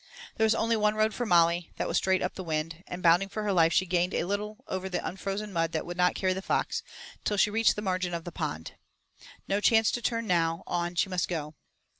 There was only one road for Molly; that was straight up the wind, and bounding for her life she gained a little over the unfrozen mud that would not carry the fox, till she reached the margin of the pond. No chance to turn now, on she must go.